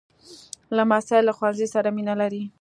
لمسی له ښوونځي سره مینه لري.